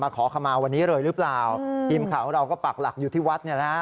ขอขมาวันนี้เลยหรือเปล่าทีมข่าวของเราก็ปักหลักอยู่ที่วัดเนี่ยนะฮะ